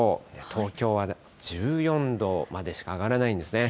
東京は１４度までしか上がらないんですね。